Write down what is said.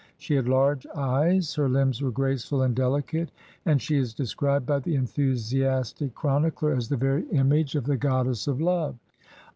She had large eyes, her limbs were graceful and delicate, and she is described by the enthusiastic chronicler as the very image of LIFE OF GURU GOBIND SINGH 249 the goddess of love.